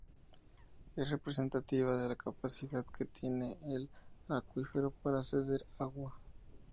Es representativa de la capacidad que tiene el acuífero para ceder agua.